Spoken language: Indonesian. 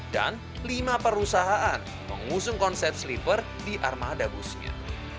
dan lima perusahaan mengusung konsep sleeper di armada busnya